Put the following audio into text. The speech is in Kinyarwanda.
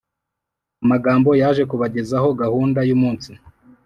amagambo yaje kubagezaho gahunda yumunsi